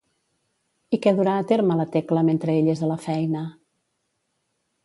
I què durà a terme la Tecla mentre ell és a la feina?